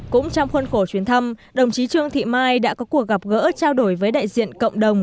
cũng trong khuôn khổ chuyến thăm đồng chí trương thị mai đã có cuộc gặp gỡ trao đổi với đại diện cộng đồng